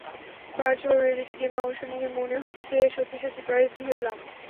Virtual reality গেমে অংশ নিয়ে মনে হচ্ছে সত্যি সত্যি প্যারিস ঘুরে এলাম।